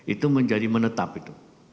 itu menjadi menetap itu